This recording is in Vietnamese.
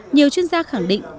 nhiều chuyên gia khẳng định